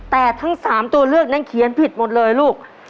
แต่ทั้ง๓ตัวเลือกนั้นเขียนผิดหมดเลยลูก